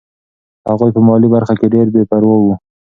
هغوی په مالي برخه کې ډېر بې پروا وو.